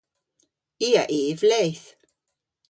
I a yv leth.